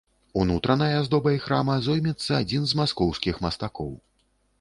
Унутранай аздобай храма зоймецца адзін з маскоўскіх мастакоў.